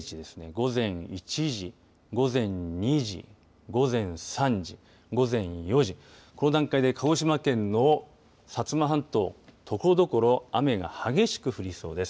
午前１時、午前２時午前３時、午前４時この段階で鹿児島県の薩摩半島ところどころ雨が激しく降りそうです。